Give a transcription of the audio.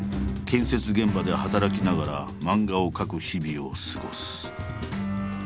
建設現場で働きながら漫画を描く日々を過ごす。